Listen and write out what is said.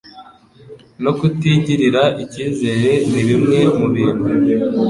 no kutigirira icyizere ni bimwe mu bintu